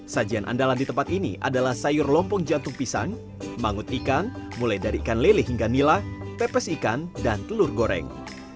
sajian andalan di tempat ini adalah sayur lompong jantung pisang mangut ikan mulai dari ikan lele hingga nila pepes ikan dan telur goreng